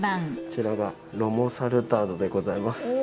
こちらがロモ・サルタードでございます。